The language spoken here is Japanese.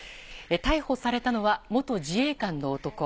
逮捕されたのは、元自衛官の男。